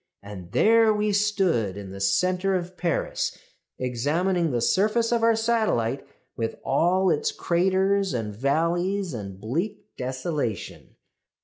And there we stood in the centre of Paris, examining the surface of our satellite with all its craters and valleys and bleak desolation.